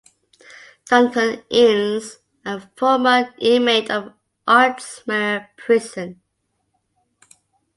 Duncan Innes - A former inmate of Ardsmuir Prison.